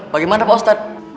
bagaimana pak ustaz